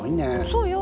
そうよ。